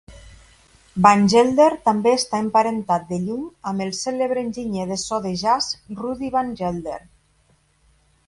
Van Gelder també està emparentat de lluny amb el cèlebre enginyer de so de jazz Rudy Van Gelder.